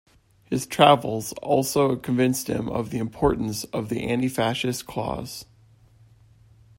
His travels also convinced him of the importance of the anti-fascist cause.